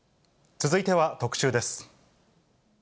続いては特集です。